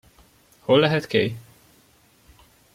Hol lehet Kay?